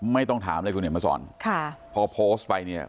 ไม่ต้องถามเลยคุณเห็นมาสอนค่ะพอโพสต์ไปเนี่ย